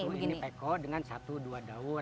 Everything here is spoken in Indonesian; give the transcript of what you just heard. oh ini peko dengan satu dua daun